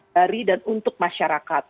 dari dan untuk masyarakat